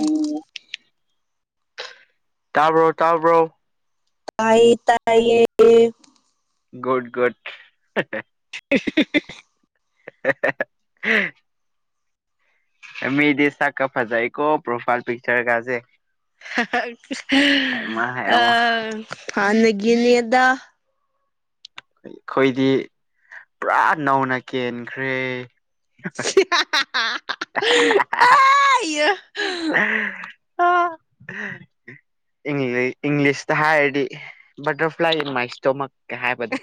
ꯎꯝ ꯇꯥꯕ꯭ꯔꯣ ꯇꯥꯕ꯭ꯔꯣ ꯇꯥꯏ ꯇꯥꯏꯌꯦ ꯒꯨꯗ ꯒꯨꯗ꯫ ꯑꯦ ꯍꯦ ꯍꯦ ꯍꯦ ꯃꯤꯗꯤ ꯆ ꯀ ꯐꯖ ꯑꯩꯀꯣ ꯄꯣꯐꯥꯏꯜ ꯄꯤꯛꯆꯔ ꯀꯖꯦ ꯑ ꯍꯥꯏꯃ ꯍꯥꯟꯅꯒꯤꯅꯦ ꯑꯗ ꯑꯩꯈꯣꯏꯗꯤ ꯄꯨꯔꯥ ꯅꯧꯅ ꯀꯦꯟꯈ꯭ꯔꯦ ꯍꯤ ꯍꯥꯍꯥ ꯑ [unintelligible] ꯏꯪꯂꯤꯁꯇ ꯍꯥꯏꯔꯗꯤ ꯕꯇꯔꯐ꯭ꯂꯥꯏ ꯏ ꯃꯥꯏ ꯏꯁꯇꯣꯃꯛꯀ ꯍꯥꯏꯕꯗꯣ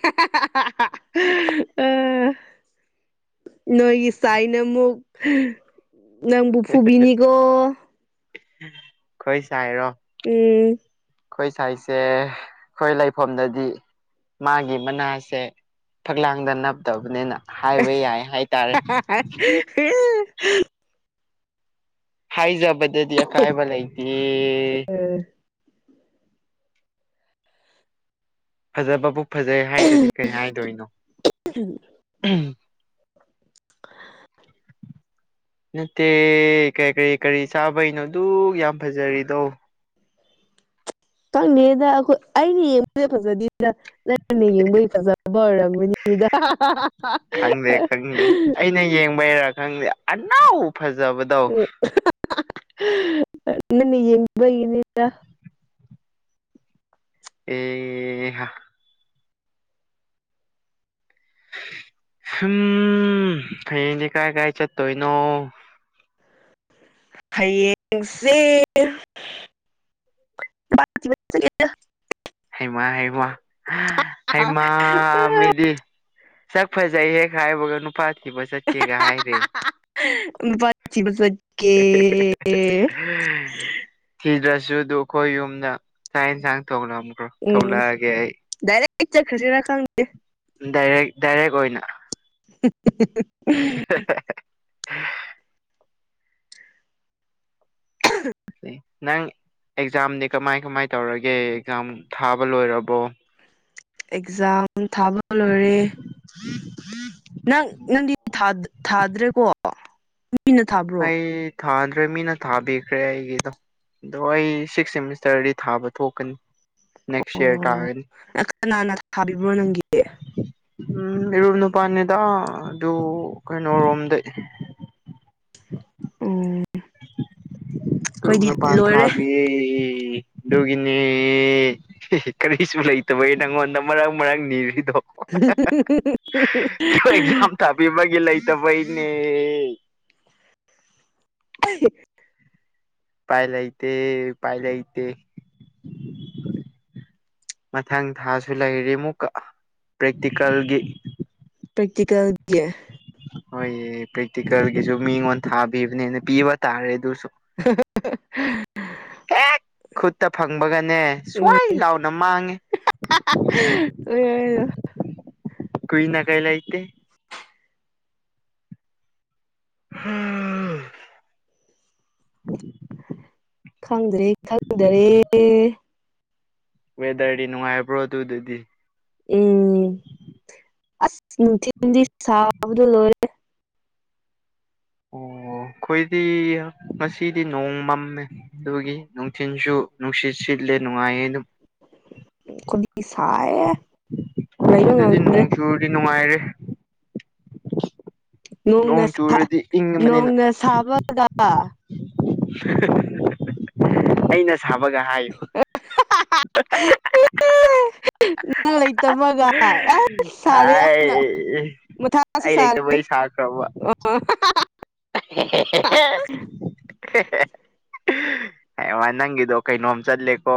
ꯎꯝ ꯅꯣꯏꯒꯤ ꯆꯥꯏꯅ ꯑꯃꯨꯛ ꯅꯪꯕꯨ ꯐꯨꯕꯤꯅꯤꯀꯣ ꯈꯣꯏ ꯁꯥꯏꯔꯣ ꯎꯝ ꯑꯩꯈꯣꯏ ꯁꯥꯏꯁꯦ ꯑꯩꯈꯣꯏ ꯂꯩꯐꯝꯗꯗꯤ ꯃꯥꯒꯤ ꯃꯅꯥꯁꯦ ꯐꯛꯂꯥꯡꯗ ꯅꯞꯇꯕꯅꯤꯅ ꯍꯥꯏꯕ ꯌꯥꯏ ꯍꯥꯏꯇꯥꯔꯦ ꯍ ꯍꯥꯏꯏꯖ ꯄꯗꯤ ꯌꯥ ꯀꯥꯏꯕꯂ ꯏꯗꯤ ꯐꯖꯕꯕꯨ ꯐꯖꯩ ꯍꯥꯏꯗ꯭ꯔꯗꯤ ꯀꯩ ꯍꯥꯏꯗꯣꯏꯅꯣ ꯎꯝ [unintelligible] ꯅꯠꯇꯦ ꯀꯔꯤ ꯀꯔꯤ ꯀꯔꯤ ꯆꯥꯕꯩꯅꯣ ꯑꯗꯨꯛ ꯌꯥꯝ ꯐꯖꯔꯤꯗꯣ ꯀꯪꯅꯦꯗ ꯑꯩꯈꯣꯏ ꯑꯩꯅ ꯌꯦꯡꯕꯁꯦ ꯐꯖꯗꯦꯗ ꯍꯔꯅ ꯌꯦꯡꯕꯒꯤ ꯐꯖꯕ ꯑꯣꯏꯔꯝꯒꯅꯤꯗ ꯅ ꯌꯦꯡꯕꯩꯔ ꯈꯪꯗꯦ ꯑꯅꯥꯎ ꯐꯖꯕꯗꯣ ꯅꯪꯅ ꯌꯦꯡꯕꯒꯤꯅꯤꯗ ꯑꯦꯍꯥ ꯎꯝ ꯍꯅꯤ ꯀꯥꯏ ꯀꯥꯏ ꯆꯦꯠ ꯇꯣꯏ ꯅꯣ ꯍꯌꯦꯡꯁꯦ ꯍꯩꯃꯥ ꯍꯩꯃꯥ ꯍꯩꯃꯥ ꯃꯤꯗꯤ ꯁꯛ ꯐꯖꯩ ꯍꯦꯛ ꯍꯥꯏꯕꯒ ꯅꯨꯄꯥ ꯊꯤꯕ ꯆꯠꯀꯦꯒ ꯍꯥꯏꯔꯦ ꯦ ꯊꯤꯗ꯭ꯔꯁꯨ ꯑꯗꯨ ꯑꯩꯈꯣꯏ ꯌꯨꯝꯗ ꯆꯥꯛ ꯌꯦꯟꯁꯥꯡ ꯊꯣꯡꯂꯝꯃ ꯎꯝ ꯗꯥꯏꯔꯦꯛ ꯆꯠꯈ꯭ꯔꯁꯤꯔꯥ ꯈꯪꯗꯦ ꯏꯟꯗꯥꯏꯔꯦꯛ ꯗꯥꯏꯔꯦꯛ ꯑꯣꯏꯅ [unintelligible] [unintelligible] [unintelligible] ꯅꯪ ꯑꯦꯛꯖꯥꯝꯗꯤ ꯀꯃꯥꯏ ꯀꯃꯥꯏ ꯇꯧꯔꯒꯦ ꯑꯦꯛꯖꯥꯝ ꯊꯥꯕ ꯂꯣꯏꯔꯕꯣ? ꯑꯦꯛꯖꯥꯝ ꯊꯥꯕ ꯂꯣꯏꯔꯦ꯫ [unintelligible] ꯅꯪ ꯅꯪꯗꯤ ꯊꯥꯗꯠ ꯊꯥꯗ꯭ꯔꯦꯀꯣ? ꯃꯤꯅ ꯊꯥꯕ꯭ꯔꯣ ꯑꯩ ꯊꯥꯗ꯭ꯔꯦ ꯃꯤꯅ ꯊꯥꯕꯤꯈ꯭ꯔꯦ ꯑꯩꯒꯤꯗꯣ ꯑꯗꯣ ꯑꯩ ꯁꯤꯛꯁ ꯁꯦꯃꯤꯁꯇꯔꯗꯤ ꯊꯥꯕ ꯊꯣꯛꯀꯅꯤ ꯅꯦꯛꯁ ꯌꯥꯔ ꯑꯣ ꯇꯥꯒꯅꯤ [unintelligible] ꯀꯅꯥꯅ ꯊꯥꯕꯤꯕ꯭ꯔꯣ ꯅꯪꯒꯤꯗꯤ? ꯎꯝ ꯏꯔꯨꯞ ꯅꯨꯄꯥꯅꯤꯗ ꯑꯥ ꯑꯗꯨ ꯀꯩꯅꯣꯔꯣꯝꯗꯩ ꯑꯣ [unintelligible] ꯏꯔꯨꯞ ꯅꯨꯄꯥꯅ ꯂꯣꯏꯔꯦ ꯊꯥꯕꯤꯌꯦ ꯗꯨꯒꯤꯅꯦ ꯍꯦ ꯍꯦ ꯀꯔꯤꯁꯨ ꯂꯩꯇꯕꯒꯤ ꯅꯪꯉꯣꯟꯗ ꯃꯔꯥꯛ ꯃꯔꯥꯛ ꯅꯤꯔꯤꯗꯣ [unintelligible] ꯈꯣꯏ ꯑꯦꯛꯖꯥꯝ ꯊꯥꯕꯤꯕꯒꯤ ꯂꯩꯇꯕꯩꯅꯦ [unintelligible] ꯄꯥꯏꯂꯩꯇꯦ ꯎꯄꯥꯏꯂꯩꯇꯦ ꯃꯊꯪ ꯊꯥꯁꯨ ꯂꯩꯔꯤ ꯃꯨꯛꯀ ꯄ꯭ꯔꯦꯛꯇꯤꯀꯥꯜꯒꯤ ꯄ꯭ꯔꯦꯛꯇꯤꯀꯦꯜꯒꯤ? ꯍꯣꯏ ꯌꯦ ꯄ꯭ꯔꯦꯛꯇꯤꯀꯜꯒꯤꯁꯨ ꯃꯤꯉꯣꯟ ꯊꯥꯕꯤꯕꯅꯦꯅ ꯄꯤꯕ ꯇꯥꯔꯦ ꯗꯨꯁꯨ [unintelligible] ꯍꯦꯛ ꯈꯨꯠꯇ ꯐꯪꯕꯒꯅꯦ ꯎꯝ ꯁ꯭ꯋꯥꯏ ꯂꯥꯎꯅ ꯃꯥꯡꯉꯦ ꯀꯨꯏꯅꯥ ꯀꯩ ꯂꯩꯇꯦ ꯍꯥ ꯈꯪꯗ꯭ꯔꯦ ꯈꯪꯗꯥꯔꯦ ꯋꯦꯗꯔꯗꯤ ꯅꯨꯉꯥꯏꯕ꯭ꯔꯣ ꯗꯨꯗꯥꯗꯤ? [unintelligible] ꯑꯁ ꯅꯨꯡꯊꯤꯟꯗꯤ ꯁꯥꯕꯗꯣ ꯂꯣꯏꯔꯦ ꯑꯣ ꯈꯣꯏꯗꯤꯌꯥ ꯉꯁꯤꯗꯤ ꯅꯣꯡꯃꯝꯃꯦ ꯑꯗꯨꯒꯤ ꯅꯨꯡꯊꯤꯟꯁꯨ ꯅꯨꯡꯁꯤꯠ ꯁꯤꯠꯂꯦ ꯅꯨꯉꯥꯏꯌꯦ ꯗꯨꯝ ꯎꯝ ꯈꯣꯏꯗꯤ ꯁꯥꯌꯦ ꯑꯁꯤꯗꯗꯤ ꯅꯣꯡ ꯆꯨꯔꯗꯤ ꯅꯨꯉꯥꯏꯔꯦ ꯅꯣꯡꯅ ꯅꯣꯡ ꯆꯨꯔꯗꯤ ꯏꯪꯉꯕꯅꯤꯅ ꯅꯣꯡꯅ ꯁꯥꯕꯒ [unintelligible] ꯑꯩꯅ ꯁꯥꯕꯒ ꯍꯥꯏ [unintelligible] ꯅꯪ ꯂꯩꯇꯕꯒ ꯌꯝ ꯁꯥꯔꯦ ꯌꯥꯝꯅ ꯑꯩ ꯃꯊꯥꯁꯨ ꯑꯩ ꯁꯥꯔꯦ ꯂꯩꯇꯕꯩ [unintelligible] ꯍꯥ ꯍꯥ ꯍꯥ [unintelligible] ꯍꯦ ꯍꯦ ꯍꯥꯌꯦꯡꯋꯥꯏ ꯅꯪꯒꯤꯗꯣ ꯀꯩꯅꯣꯝ ꯆꯠꯂꯦꯀꯣ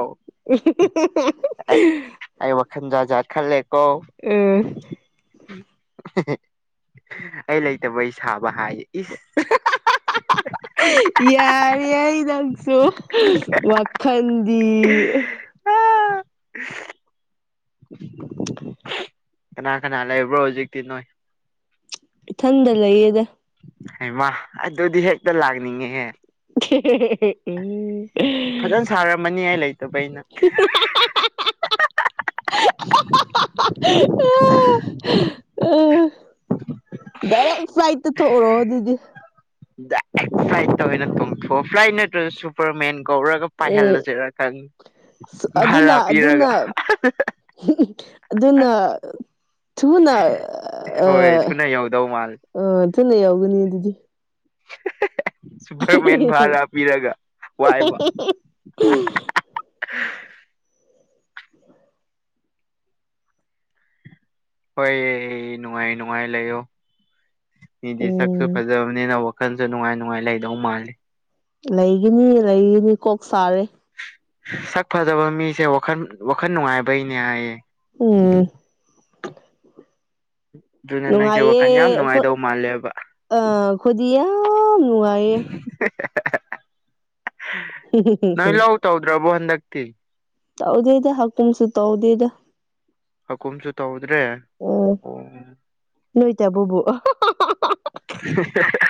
ꯑꯩ [unintelligible] ꯑꯩ ꯋꯥꯈꯟ ꯖꯥꯠ ꯖꯥꯠ ꯈꯜꯂꯦꯀꯣ ꯎꯝ [unintelligible] ꯑꯩ ꯂꯩꯇꯕꯩ ꯁꯥꯕ ꯍꯥꯏ ꯏꯁ ꯍꯥ ꯍꯥ ꯍꯥ [unintelligible] ꯌꯥꯔꯦ ꯑꯩ ꯅꯪꯁꯨ ꯋꯥꯈꯟ [unintelligible] ꯀꯅꯥ ꯀꯅꯥ ꯂꯩꯕ꯭ꯔꯣ ꯍꯧꯖꯤꯛꯇꯤ ꯅꯣꯏ? ꯊꯟꯗꯥ ꯂꯩꯌꯦꯗ ꯍꯩꯃꯥ ꯑꯗꯨꯗꯤ ꯍꯦꯛꯇꯥ ꯂꯥꯛꯅꯤꯡꯉꯦꯍꯦ [unintelligible] ꯑꯦ ꯐꯖꯟ ꯁꯥꯔꯝꯃꯅꯤ ꯑꯩ ꯂꯩꯇꯕꯩ ꯅꯥ [unintelligible] ꯍꯥ ꯍꯥ ꯍꯥ ꯍꯥ ꯍꯥ ꯍꯥ ꯍꯥ ꯍꯥ [unintelligible] ꯗꯥꯏꯔꯦꯛ ꯐ꯭ꯂꯥꯏꯠꯇꯥ ꯇꯣꯛꯎꯔꯣ ꯑꯗꯨꯗꯤ ꯐ꯭ꯂꯥꯏꯠ ꯇꯧꯋꯅ ꯇꯊ ꯐ꯭ꯂꯥꯏꯠ ꯅꯠꯇ꯭ꯔ ꯁꯨꯄꯔ ꯃꯦꯟ ꯧꯔꯒ ꯎꯝ ꯄꯥꯏꯍꯜꯂꯁꯤꯔ ꯈꯪ ꯚꯔꯥ ꯑꯗꯨꯅ ꯄꯤꯔꯒ ꯑꯗꯨꯅ [unintelligible] ꯑꯗꯨꯅ ꯊꯨꯨꯅꯥ ꯑ ꯍꯣꯏ ꯊꯨꯅ ꯌꯧꯗꯧ ꯃꯥꯜꯂꯦ ꯑ ꯊꯅ ꯌꯥꯎꯒꯅꯤ ꯑꯗꯨꯗꯤ ꯁꯨꯄꯔꯃꯦꯟ ꯚꯥꯔꯥ ꯄꯤꯔꯒ ꯋꯥꯏꯕ ꯍꯣꯏ ꯅꯨꯡꯉꯥꯏ ꯅꯨꯡꯉꯥꯏ ꯂꯩꯌꯣ ꯃꯤꯗꯤ ꯁꯛꯁꯨ ꯎꯝ ꯐꯖꯕꯅꯤꯅ ꯋꯥꯈꯟꯁꯨ ꯅꯨꯡꯉꯥꯏ ꯅꯨꯡꯉꯥꯏ ꯂꯩꯗꯧ ꯃꯥꯜꯂꯤ ꯂꯩꯒꯤꯅꯤ ꯂꯩꯒꯤꯅꯤ ꯀꯣꯛ ꯁꯥꯔꯦ ꯁꯛ ꯐꯖꯕ ꯃꯤꯁꯦ ꯋꯥꯈꯜ ꯋꯥꯈꯜ ꯅꯨꯡꯉꯥꯏꯕꯩꯅꯦ ꯍꯥꯏꯌꯦ ꯎꯝ ꯑꯗꯨꯅ ꯅꯪꯁꯦ ꯅꯨꯡꯉꯥꯏꯥꯏꯌꯦ ꯋꯥꯈꯜ ꯌꯥꯝ ꯅꯨꯡꯉꯥꯏꯗꯧ ꯃꯥꯜꯂꯦꯕ ꯑ ꯈꯗꯤꯌꯥ ꯑ ꯅꯨꯡꯉꯥꯏꯌꯦ [unintelligible] ꯅꯣꯏ ꯂꯧ ꯇꯧꯗ꯭ꯔꯕꯣ ꯍꯟꯗꯛꯇꯤ ꯇꯧꯗꯦꯗ ꯍꯥꯀꯝꯁꯨ ꯇꯧꯗꯦꯗ ꯑꯀꯨꯝꯁꯨ ꯇꯧꯗ꯭ꯔꯦ ꯎꯝ ꯑꯣ ꯅꯣꯏꯇꯥ ꯕꯨ [unintelligible] [unintelligible]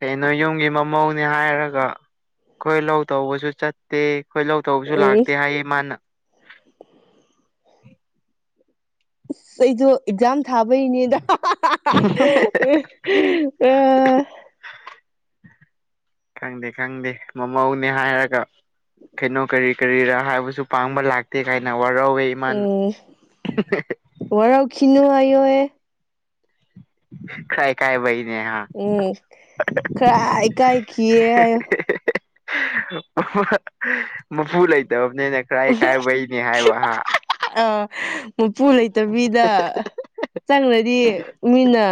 ꯀꯩꯅꯣ ꯌꯨꯝꯒꯤ ꯃꯃꯧꯅꯦ ꯍꯥꯏꯔꯒ ꯑꯩꯈꯣꯏ ꯂꯧ ꯇꯧꯕꯁꯨ ꯆꯠꯇꯦ ꯑꯩꯈꯣꯏ ꯂꯧ ꯇꯧꯕꯁꯨ ꯂꯥꯛꯇꯦ ꯍꯥꯏꯌꯦ ꯃꯥꯅ ꯑꯁ ꯑꯩꯗꯣ ꯑꯦꯛꯖꯥꯝ ꯊꯥꯕꯩꯅꯦꯗ [unintelligible] ꯑ [unintelligible] [inaudible] ꯈꯪꯗꯦ ꯈꯪꯗꯦ ꯃꯃꯧꯅꯦ ꯍꯥꯏꯔꯒ ꯀꯩꯅꯣ ꯀꯔꯤ ꯀꯔꯤꯔꯥ ꯍꯥꯏꯕꯁꯨ ꯄꯥꯡꯕ ꯂꯥꯛꯇꯦ ꯀꯥꯏꯅ ꯋꯥꯔꯧꯋꯦ ꯏꯃꯥꯅ [unintelligible] ꯋꯥꯔꯎ ꯀꯅꯣ ꯍꯥꯏꯣꯋꯌꯦ ꯈꯥꯏ ꯀꯥꯏ ꯍꯤꯅꯦ ꯍꯥ [unintelligible] ꯎꯝ ꯈꯔ ꯏꯀꯥꯏꯈꯤꯌꯦ ꯍꯥꯏꯌꯣ [unintelligible] ꯃꯄꯨ ꯂꯩꯇꯕꯅꯦꯅ ꯀꯔꯥꯏ ꯀꯥꯏꯕꯩꯅꯦ ꯍꯥꯏꯕ ꯑꯍ ꯑꯥ ꯃꯄꯨ ꯂꯩꯇꯕꯤꯗ ꯆꯪꯂꯗꯤ ꯃꯤꯅ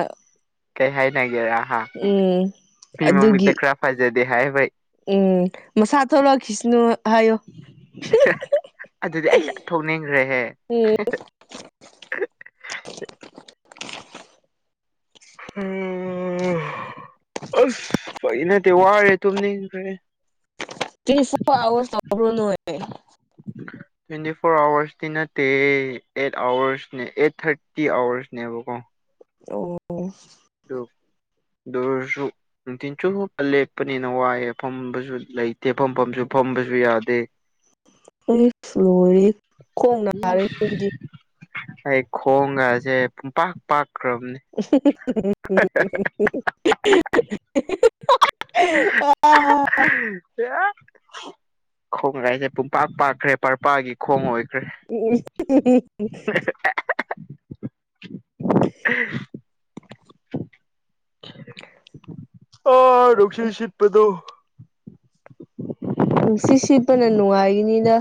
ꯀꯩ ꯍꯥꯏꯅꯒꯦꯔꯍ ꯎꯝ ꯃꯤ ꯃꯃꯤꯛꯇ ꯑꯗꯨꯒꯤ ꯈꯔ ꯐꯖꯗꯦ ꯍꯥꯏꯕꯩ ꯎꯝ ꯃꯁꯥ ꯊꯣꯛꯂꯛꯑꯣ ꯁꯅꯨ ꯍꯥꯏꯌꯣ [unintelligible] ꯑꯗꯨꯗꯤ ꯑꯩ ꯆꯠ ꯊꯣꯛꯅꯤꯡꯈ꯭ꯔꯦꯍꯦ ꯎꯝ [unintelligible] ꯎꯝ ꯑꯁ ꯐꯩ ꯅꯠꯇꯦ ꯋꯥꯔꯦ ꯇꯨꯝꯅꯤꯡꯈ꯭ꯔꯦ [unintelligible] [inaudible] ꯇ꯭ꯋꯦꯟꯇꯤ ꯐꯣꯔ ꯑꯋꯔꯁꯇꯤ ꯅꯠꯇꯦ ꯑꯦꯠ ꯑꯋꯔꯁꯅꯦ ꯑꯩꯠ ꯊꯥꯔꯇꯤ ꯑꯋꯔꯁꯅꯦꯕꯀꯣ ꯑꯣ ꯗꯣꯁꯨ ꯅꯨꯡꯊꯤꯟꯖꯨꯞꯨꯞꯄ ꯂꯦꯞꯄꯅꯤꯅ ꯋꯥꯏꯑꯦ ꯐꯝꯕꯁꯨ ꯂꯩꯇꯦ ꯐꯝꯐꯝꯁꯨ ꯐꯝꯕꯁꯨ ꯌꯥꯗꯦ ꯑꯥꯏꯁ ꯂꯣꯏꯔꯦꯍꯦ ꯎ ꯑꯩ ꯈꯣꯡꯒꯁꯦ ꯄꯨꯝ ꯄꯥꯛ ꯄꯥꯛꯈ꯭ꯔꯕꯅꯦ [unintelligible] [unintelligible] ꯑꯥ ꯀ ꯈꯣꯡꯒꯥꯏꯁꯦ ꯄꯨꯡꯄꯥꯛ ꯄꯥꯛꯈ꯭ꯔꯦ ꯄꯔꯄꯥꯒꯤ ꯈꯣꯡ ꯑꯣꯏꯈ꯭ꯔꯦ ꯎ [unintelligible] [inaudible] ꯑ ꯔꯁꯤ ꯁꯤꯠꯄꯗꯣ ꯅꯨꯡꯁꯤꯠ ꯁꯤꯠꯄꯅ ꯅꯨꯡꯉꯥꯏꯔꯤꯅꯤꯅ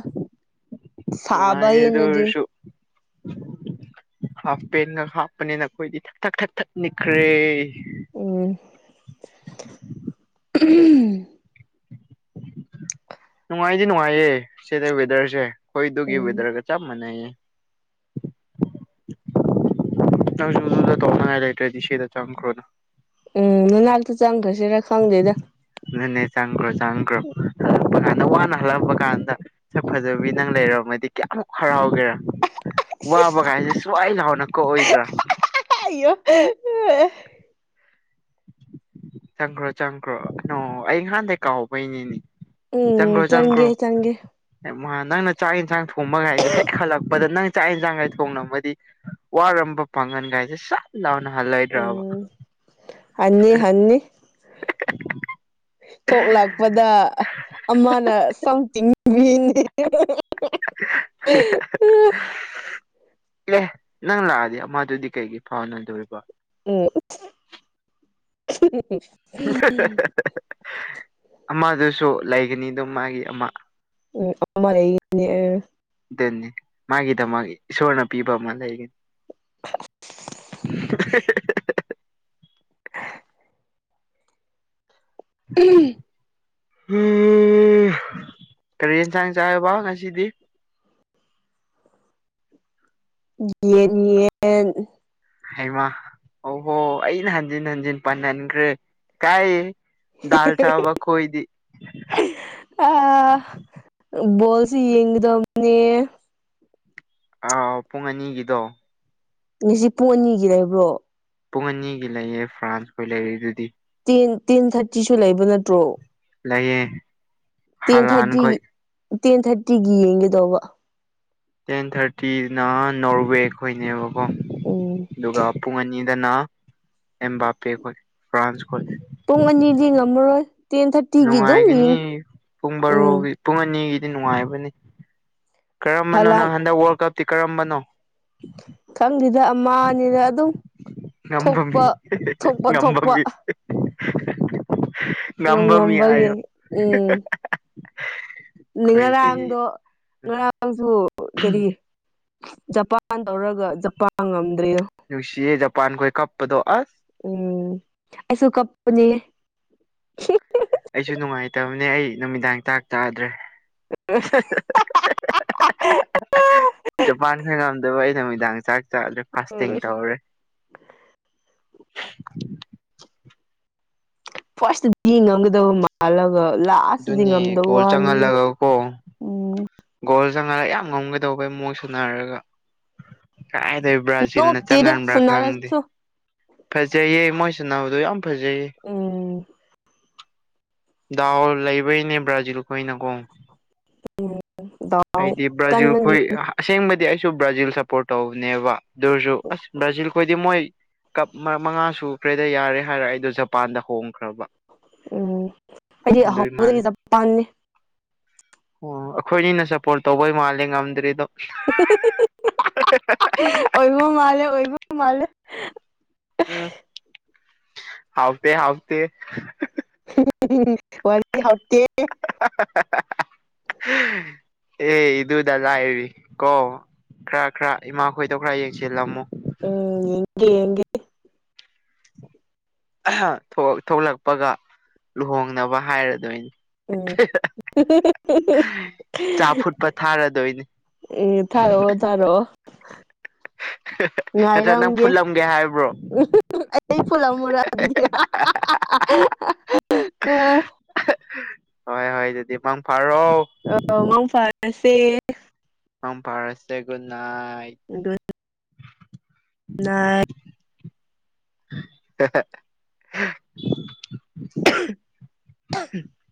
ꯅꯨꯡꯉꯥꯏꯗ ꯑꯣꯏꯁꯨ ꯍꯥꯞ ꯄꯦꯟꯒ ꯍꯥꯞꯄꯅꯤ ꯅꯈꯣꯏꯗꯤ ꯊꯛ ꯊꯛ ꯊꯛ ꯊꯛ ꯅꯤꯛꯈ꯭ꯔꯦ ꯎꯝ ꯎꯝ [inaudible] ꯅꯨꯡꯉꯥꯏꯗꯤ ꯅꯨꯡꯉꯥꯏꯌꯦ ꯁꯤꯗ ꯋꯦꯗꯔꯁꯦ ꯑꯩꯈꯣꯏꯗꯨꯒꯤ ꯎꯝ ꯋꯦꯗꯔꯒ ꯆꯞ ꯃꯥꯟꯅꯩꯌꯦ ꯅꯪꯁꯨ ꯑꯗꯨꯗ ꯇꯧꯅꯉꯥꯏ ꯂꯩꯇ꯭ꯔꯗꯤ ꯁꯤꯗ ꯆꯪꯈ꯭ꯔꯣꯅ ꯎꯝ ꯅꯅꯥꯛꯇ ꯆꯪꯈ꯭ꯔꯁꯤꯔ ꯈꯪꯗꯦꯗ ꯑꯗꯨꯅꯦ ꯆꯪꯈ꯭ꯔꯣ ꯆꯪꯈ꯭ꯔꯣ ꯍꯜꯂꯛꯄ ꯀꯥꯟꯗ ꯋꯥꯅ ꯍꯜꯂꯛꯄ ꯀꯥꯟꯗ ꯁꯛ ꯐꯖꯕꯤ ꯅꯪ ꯂꯩꯔꯝꯃꯗꯤ ꯀꯌꯥꯃꯨꯛ ꯍꯔꯥꯎꯒꯦꯔꯥ ꯋꯥꯕ ꯀꯥꯏꯁꯦ ꯁꯨꯋꯥꯏ ꯂꯥꯎꯅ ꯀꯣꯛꯑꯣꯏꯗ꯭ꯔꯥ ꯑꯏꯌꯣ [inaudible] ꯆꯪꯈ꯭ꯔꯣ ꯆꯪꯈ꯭ꯔꯣ ꯅ ꯑꯩ ꯉꯍꯥꯟꯗꯒꯤ ꯀꯥꯎꯕꯩꯅꯤꯅꯦ ꯎꯝ ꯆꯪꯒ꯭ꯔꯣ ꯆꯪꯒ꯭ꯔꯣ ꯆꯪꯒꯦ ꯆꯪꯒꯦ ꯅꯪꯅ ꯆꯥꯛ ꯌꯦꯟꯁꯥꯡ ꯊꯣꯡꯕꯒꯥꯏꯁꯦ ꯍꯦꯛ ꯍꯜꯂꯛꯄꯗ ꯅꯪ ꯆꯥꯛ ꯌꯦꯟꯁꯥꯡꯒꯥꯏ ꯊꯣꯡꯂꯝꯃꯗꯤ ꯋꯥꯔꯝꯕ ꯄꯥꯡꯒꯟꯒꯥꯏꯁꯦ ꯁꯠ ꯂꯥꯎꯅ ꯍꯜꯂꯣꯏꯗ꯭ꯔꯕ ꯍꯥꯟꯅꯤ ꯍꯥꯟꯅꯤ ꯊꯣꯛꯂꯛꯄꯗ ꯑꯃꯅ ꯆꯪ ꯇꯤꯡꯕꯤꯅꯤ [inaudible] ꯑꯦ ꯅꯪ ꯂꯥꯛꯑꯗꯤ ꯃꯥꯗꯨꯗꯤ ꯀꯩꯒꯤ ꯐꯥꯎꯅꯗꯣꯔꯤꯕ ꯎꯝ [inaudible] ꯑꯃꯗꯨꯁꯨ ꯂꯩꯒꯅꯤ ꯑꯗꯨꯝ ꯃꯥꯒꯤ ꯑꯃ ꯎꯝ ꯑꯃ ꯂꯩꯒꯅꯤ ꯑꯥ ꯗꯅꯤ ꯃꯥꯒꯤꯗꯃꯛ ꯏꯁꯣꯔꯅ ꯄꯤꯕ ꯑꯃ ꯂꯩꯒꯅꯤ [inaudible] ꯄꯨꯜꯂꯤ [inaudible] ꯀꯔꯤ ꯌꯦꯟꯁꯥꯡ ꯆꯥꯏꯕ ꯉꯁꯤꯗꯤ ꯌꯦꯟ ꯌꯦꯟ ꯑꯦꯟ ꯍꯩꯃ ꯑꯣꯍꯣ ꯑꯩꯅ ꯍꯟꯖꯤꯟ ꯍꯟꯖꯤꯟ ꯄꯟꯍꯟꯈ꯭ꯔꯦ ꯀꯥꯏ ꯗꯜ ꯆꯕ ꯈꯣꯢꯗꯤ ꯑ ꯕꯣꯜꯁꯤ ꯌꯦꯡꯒꯗꯕꯅꯦ ꯑꯥꯎ ꯄꯨꯡ ꯑꯅꯤꯒꯤꯗꯣ ꯉꯁꯤ ꯄꯨꯡ ꯑꯅꯤꯒꯤ ꯂꯩꯕ꯭ꯔꯣ ꯄꯨꯡ ꯑꯅꯤꯒꯤ ꯂꯩꯌꯦ ꯐ꯭ꯔꯥꯟꯁꯈꯣꯏ ꯂꯩꯔꯤꯗꯨꯗꯤ ꯇꯦꯟ ꯇꯦꯟ ꯊꯥꯔꯇꯤꯁꯨ ꯂꯩꯕ ꯅꯠꯇ꯭ꯔꯣ ꯂꯩꯌꯦ ꯇꯦꯟ ꯍꯂꯥꯟ ꯊꯥꯔꯇꯤ ꯈꯣꯏ ꯇꯦꯟ ꯊꯥꯔꯇꯤꯒꯤ ꯌꯦꯡꯒꯦꯗꯧꯕ ꯇꯦꯟ ꯊꯥꯔꯇꯤꯅ ꯅꯣꯔꯋꯦ ꯈꯣꯏꯅꯦꯕꯀꯣ ꯎꯝ ꯑꯗꯨꯒ ꯄꯨꯡ ꯑꯅꯤꯗꯅ ꯑꯦꯝꯕꯥꯄꯦ ꯈꯣꯢ ꯐ꯭ꯔꯥꯟꯁ ꯈꯣꯢ ꯄꯨꯡ ꯑꯅꯤꯗꯤ ꯉꯝꯃꯔꯣꯏ ꯇꯦꯟ ꯊꯥꯔꯇꯤꯒꯤ ꯑꯗꯨꯝ ꯌꯦꯡ ꯅꯨꯡꯉꯥꯏꯒꯅꯤ ꯄꯨꯡ ꯎꯝ ꯕꯥꯔꯣꯒꯤ ꯄꯨꯡ ꯑꯅꯤꯒꯤꯗꯤ ꯅꯨꯡꯉꯥꯏꯕꯅꯤ ꯀꯔꯝꯕꯅꯣ ꯍꯂꯥꯟ ꯅꯪ ꯍꯟꯗꯛ ꯋꯥꯔꯜ ꯀꯞ ꯇꯤ ꯀꯔꯝꯕꯅꯣ ꯈꯪꯗꯦꯗ ꯑꯃꯅꯤꯅ ꯑꯗꯨꯝ ꯉꯝꯕ ꯃꯤ ꯊꯣꯛꯄ ꯊꯣꯛꯄ ꯉꯝꯕ ꯊꯣꯛꯄ ꯃꯤ ꯉꯝ ꯉꯝꯕ ꯃꯤ ꯉꯝꯕꯒꯤ ꯍꯥꯢꯑꯣ꯫ ꯎꯝ ꯉꯔꯥꯡꯗꯣ ꯉꯔꯥꯡꯁꯨ ꯀꯔꯤ ꯖꯄꯥꯟ ꯇꯧꯔꯒ ꯖꯄꯥꯟ ꯉꯝꯗ꯭ꯔꯦꯗꯣ꯫ ꯅꯨꯡꯁꯤꯌꯦ ꯖꯄꯥꯟꯈꯣꯏ ꯀꯞꯄꯗꯣ ꯑꯁ ꯎꯝ ꯑꯩꯁꯨ ꯀꯥꯞꯄꯅꯦ ꯑꯩꯁꯨ ꯅꯨꯡꯉꯥꯏꯇꯕꯅꯦ ꯑꯩ ꯅꯨꯃꯤꯗꯥꯡ ꯆꯥꯛ ꯆꯥꯗ꯭ꯔꯦ [inaudible] ꯖꯄꯥꯟ ꯅ ꯉꯝꯗꯕ ꯑꯩ ꯅꯨꯃꯤꯗꯥꯡ ꯆꯥꯛ ꯆꯥꯗ꯭ꯔꯦ ꯐꯥꯁꯇꯤꯡ ꯇꯧꯔꯦ ꯐꯥꯁꯇꯗꯤ ꯉꯝꯒꯗꯕ ꯃꯥꯜꯂꯒ ꯂꯥꯁꯇꯗꯤ ꯑꯗꯨꯅꯦ ꯉꯝꯗꯕ ꯒꯣꯜ ꯋꯥꯅꯤꯗ ꯆꯪꯍꯜꯂꯒ ꯀꯣ ꯎꯝ ꯒꯣꯜ ꯆꯪꯉꯥ ꯌꯥꯝ ꯉꯝꯒꯗꯧꯕꯩ ꯃ‌ꯣꯏ ꯁꯨꯅꯔꯒ ꯀꯥꯏꯗꯩ ꯕ꯭ꯔꯥꯖꯤꯜꯅ ꯅꯣꯞꯇꯦꯗ ꯆꯪꯍꯟꯕ꯭ꯔꯥ ꯈꯪꯗꯦ ꯁꯥꯟꯅꯔꯁꯨ ꯐꯖꯩꯌꯦ ꯃꯣꯏ ꯁꯅꯥꯕꯗꯣ ꯌꯥꯝ ꯐꯖꯩꯌꯦ ꯎꯝ ꯗꯥꯎ ꯂꯩꯕꯩꯅꯦ ꯕ꯭ꯔꯥꯖꯤꯜ ꯈꯣꯏꯅꯀꯣ ꯎꯝ ꯗꯥꯎ ꯑꯩꯗꯤ ꯕ꯭ꯔꯥꯖꯤꯜ ꯀꯟꯕꯒꯤ ꯈꯣꯏ ꯑꯁꯦꯡꯕꯗꯤ ꯑꯩꯁꯨ ꯕ꯭ꯔꯥꯖꯤꯜ ꯁꯞꯄꯣꯔꯠ ꯇꯧꯕꯅꯦꯕ ꯑꯗꯨꯑꯣꯢꯖꯨ ꯑꯁ ꯕ꯭ꯔꯥꯖꯤꯜ ꯈꯣꯏꯗꯤ ꯃꯣꯏ ꯀꯞ ꯃꯉꯥ ꯁꯨꯈ꯭ꯔꯦꯗ ꯌꯥꯔꯦ ꯍꯥꯏꯔ ꯑꯩꯗꯣ ꯖꯄꯥꯟꯗ ꯍꯣꯡꯈ꯭ꯔꯕꯥ ꯎꯝ ꯑꯩꯗꯤ ꯃꯥꯜꯂꯦ ꯑꯍꯧꯕꯗꯒꯤ ꯖꯄꯥꯟꯅꯦ ꯑꯣ ꯑꯩꯈꯣꯏꯅꯤꯅ ꯁꯞꯄꯣꯔꯠ ꯇꯧꯕꯩ ꯃꯥꯜꯂꯦ ꯉꯝꯗ꯭ꯔꯤꯗꯣ ꯑꯣꯏꯕ ꯃꯥꯂꯦ ꯑꯣꯏꯕ ꯃꯥꯂꯦ ꯎꯝ ꯍꯥꯎꯇꯦ ꯍꯥꯎꯇꯦ ꯋꯥꯔꯤ ꯍꯥꯎꯇꯦ ꯑꯦ ꯏꯗꯨꯗ ꯂꯥꯏꯔꯤ ꯀꯣ ꯈꯔ ꯈꯔ ꯏꯃꯥꯈꯣꯏꯗꯣ ꯈꯔ ꯌꯦꯡꯁꯤꯜꯂꯝꯃꯨ ꯎꯝ ꯌꯦꯡ ꯌꯦꯡꯒꯦ ꯑꯍꯥ ꯊꯣꯛ ꯊ‌ꯣꯛꯂꯛꯄꯒ ꯂꯨꯍꯣꯡꯅꯕ ꯍꯥꯏꯔꯗꯣꯏꯅꯤ ꯎꯝ ꯆꯥ ꯐꯨꯠꯄ ꯊꯥꯔꯗꯣꯏꯅꯤ ꯑ‌ꯦ ꯊꯥꯔꯛꯑꯣ ꯊꯥꯔꯛꯑꯣ ꯅꯠꯇ꯭ꯔꯥ ꯅꯪ ꯐꯨꯜꯂꯝꯒꯦ ꯍꯥꯏ ꯎꯝ ꯑꯩ ꯄꯨꯠꯂꯝꯃꯨꯔꯥ ꯑꯗꯨꯗꯤ [unintelligible] ꯑꯥ ꯍꯣꯏ ꯍꯣꯏ ꯑꯗꯨꯗꯤ ꯃꯥꯡ ꯐꯥꯔꯣ ꯑꯧ ꯃꯥꯡ ꯐꯥ ꯑꯁꯦ ꯃꯪ ꯐꯔꯁꯦ ꯒꯨꯠꯅꯥꯏꯠ ꯅꯥꯏꯠ [unintelligible] [unintelligible]